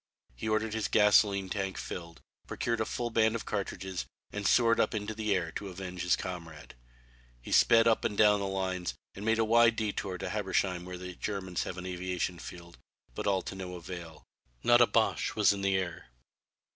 He ordered his gasoline tank filled, procured a full band of cartridges and soared up into the air to avenge his comrade. He sped up and down the lines, and made a wide détour to Habsheim where the Germans have an aviation field, but all to no avail. Not a Boche was in the air.